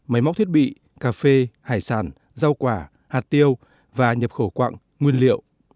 máy móc thiết bị cà phê hải sản rau quả hạt tiêu và nhập khẩu quạng nguyên liệu